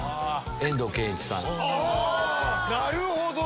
なるほど！